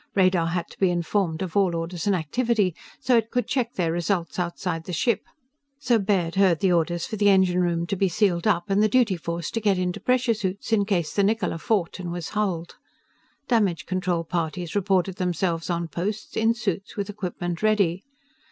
Radar had to be informed of all orders and activity, so it could check their results outside the ship. So Baird heard the orders for the engine room to be sealed up and the duty force to get into pressure suits, in case the Niccola fought and was hulled. Damage control parties reported themselves on post, in suits, with equipment ready.